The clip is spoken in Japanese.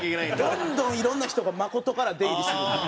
どんどんいろんな人が「誠」から出入りするんで。